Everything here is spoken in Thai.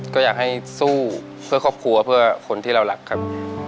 ก็อยากให้สู้เพื่อครอบครัวเพื่อคนที่เรารักครับ